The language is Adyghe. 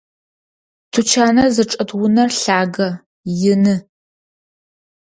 Тучаныр зычӏэт унэр лъагэ, ины.